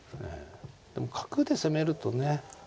でも角で攻めるとね。